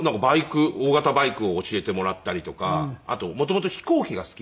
大型バイクを教えてもらったりとかあと元々飛行機が好きで。